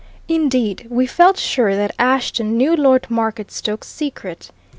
Indeed, we felt sure that Ashton knew Lord Marketstoke's secret.